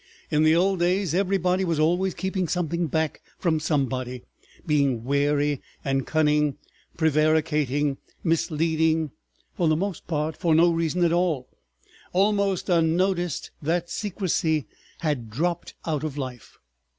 In the old days everybody was always keeping something back from somebody, being wary and cunning, prevaricating, misleading—for the most part for no reason at all. Almost unnoticed, that secrecy had dropped out of life.